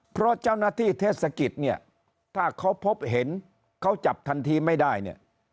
เพราะเจ้าหน้าที่เทศกิจเนี่ยถ้าเขาพบเห็นเขาจับทันทีไม่ได้เนี่ย